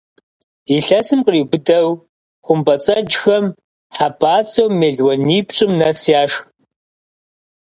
Илъэсым къриубыдэу хъумпӏэцӏэджхэм хьэпӀацӀэу мелуанипщӏым нэс яшх.